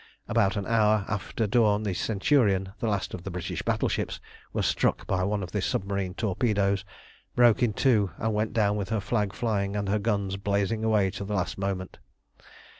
About an hour after dawn the Centurion, the last of the British battleships, was struck by one of the submarine torpedoes, broke in two, and went down with her flag flying and her guns blazing away to the last moment.